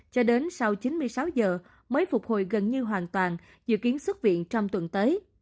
cho đến sau chín mươi sáu giờ mới phục hồi gần như hoàn toàn dự kiến xuất viện trong tuần tới